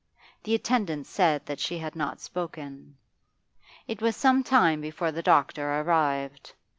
The attendant said that she had not spoken. It was some time before the doctor arrived.